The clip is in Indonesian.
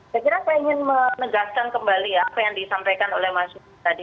saya kira saya ingin menegaskan kembali apa yang disampaikan oleh mas yudi tadi